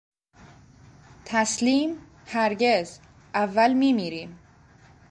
تسلیم؟ هرگز! اول میمیریم!